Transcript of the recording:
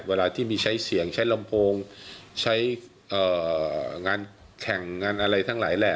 เวลาที่มีใช้เสียงใช้ลำโพงใช้งานแข่งทั้งหลาย